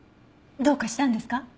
どうかしたんですか？